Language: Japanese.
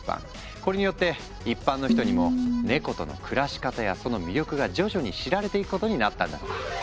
これによって一般の人にもネコとの暮らし方やその魅力が徐々に知られていくことになったんだとか。